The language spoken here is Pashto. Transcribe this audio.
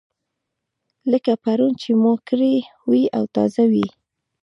لکه پرون چې مو کړې وي او تازه وي.